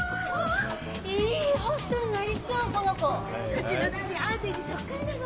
うちのダーリンアンディにそっくりなの！